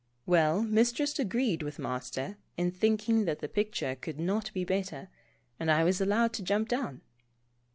Well, Mistress agreed with Master in thinking that the picture could not be better, and I was allowed to jump down.